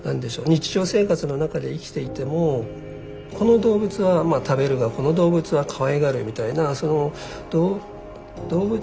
日常生活の中で生きていてもこの動物はまあ食べるがこの動物はかわいがるみたいなその動物